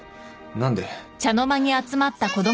何で？